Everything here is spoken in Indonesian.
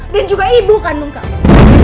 dan juga ibu kandung kamu